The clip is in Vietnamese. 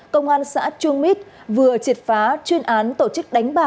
công an xã trung mít vừa triệt phá chuyên án tổ chức đánh bà